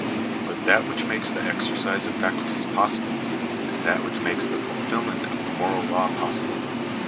But that which makes the exercise of faculties possible, is that which makes the fulfilment of the moral law possible.